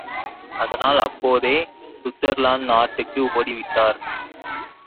அதனால் அப்போதே சுவிட்சர்லாந்து நாட்டுக்கு ஓடி விட்டார்!